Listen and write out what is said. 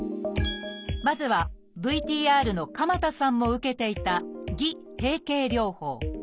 まずはＶＴＲの鎌田さんも受けていた「偽閉経療法」。